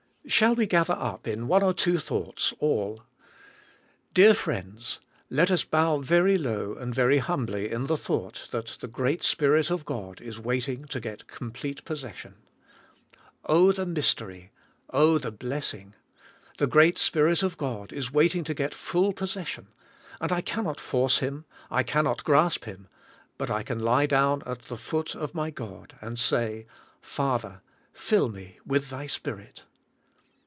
Shall we g ather up, in one or two thoug hts, all? Dear friends, let us bow very low and very humbly in the thought, that the Great Spirit of God is waiting to get complete possession. Oh, the mystery; oh, the blessing! The Great Spirit of God is waiting to get full possession and I cannot force Him, I cannot grasp Him, but I can lie down at the foot of my God and say, "Father, fill me with Thy Spirit."